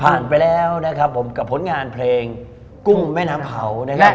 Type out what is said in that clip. ไปแล้วนะครับผมกับผลงานเพลงกุ้งแม่น้ำเผานะครับ